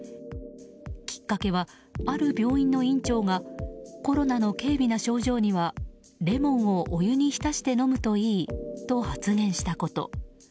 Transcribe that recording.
きっかけは、ある病院の院長がコロナの軽微な症状にはレモンをお湯に浸して飲むといいと発言したこと。